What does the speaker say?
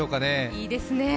いいですね。